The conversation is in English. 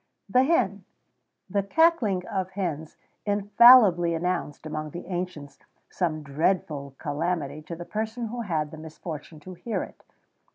[XVII 17] THE HEN. The cackling of hens infallibly announced, among the ancients, some dreadful calamity to the person who had the misfortune to hear it.